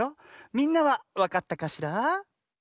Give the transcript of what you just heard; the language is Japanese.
みんなはわかったかしら？